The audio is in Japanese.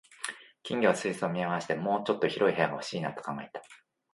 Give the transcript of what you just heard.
金魚が水槽を見回して、「もうちょっと広い部屋が欲しいな」と考えた